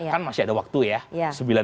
kan masih ada waktu ya